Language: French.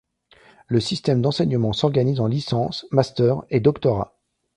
Le système d'enseignement s'organise en licence, master et doctorat.